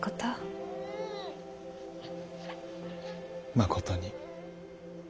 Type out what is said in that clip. まことに。